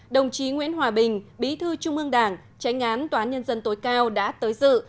đồng chí nguyễn hòa bình bí thư trung ương đảng tránh án toán nhân dân tối cao đã tới dự